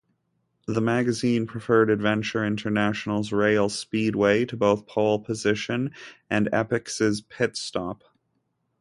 The magazine preferred Adventure International's "Rally Speedway" to both "Pole Position" and Epyx's "Pitstop".